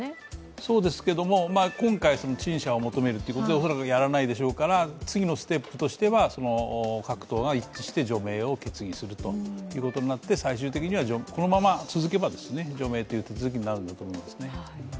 そうですけど、今回、陳謝を求めるということで恐らくやらないでしょうから次のステップとしては各党が一致して除名を決議するということになって最終的には、このまま続けば除名という手続きになると思います。